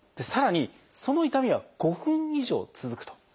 さらにその痛みが５分以上続くと。